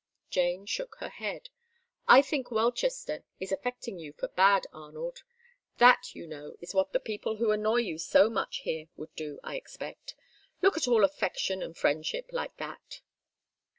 Jane shook her head. "I think Welchester is affecting you for bad, Arnold. That, you know, is what the people who annoy you so much here would do, I expect look at all affection and friendship like that."